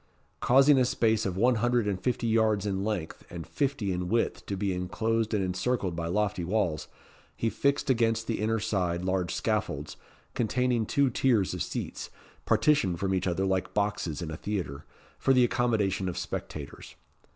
Causing a space of one hundred and fifty yards in length and fifty in width to be inclosed and encircled by lofty walls, he fixed against the inner side large scaffolds, containing two tiers of seats, partitioned from each other like boxes in a theatre, for the accommodation of spectators.